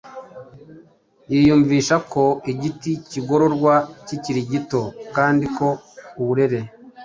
Yiyumvisha ko igiti kigororwa kikiri gito kandi ko uburere